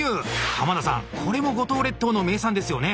濱田さんこれも五島列島の名産ですよね？